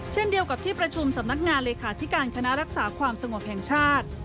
เช่นเดียวกับที่ประชุมสำนักงานเลขาธิการคณะรักษาความสงบแห่งชาติ